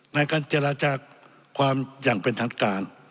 ในการเจรจาความอย่างเป็นทางการ